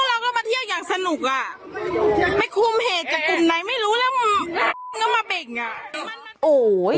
พวกเราก็มาเที่ยงอย่างสนุกอะไม่คุมเหตุกับกลุ่มไหนไม่รู้แล้วมันมาเป็นยังไง